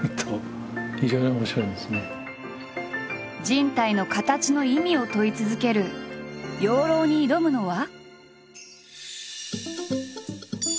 人体の形の意味を問い続ける養老に挑むのは。